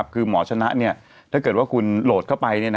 คือหมอชนะเนี่ยเพราะว่าคุณโหลดเข้าไป